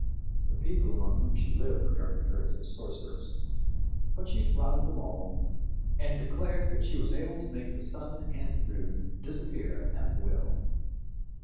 The people among whom she lived regarded her as a sorceress; but she flouted them all, and declared that she was able to make the sun and moon disappear at will.